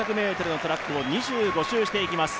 ４００ｍのトラックを２５周していきます